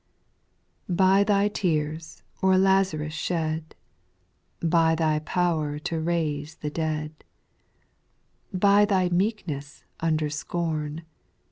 8. By Thy tears o'er Lazarus shed, By Thy power to raise the dead, By Thy meekness under scorn.